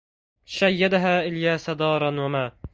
شيدها إلياس دارا وما